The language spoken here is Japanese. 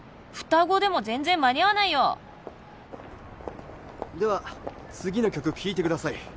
双子でも全然間に合わないよでは次の曲聴いてください。